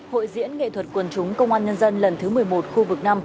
hội diễn nghệ thuật quần chúng công an nhân dân lần thứ một mươi một khu vực năm